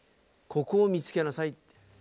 ここを見つけなさいって。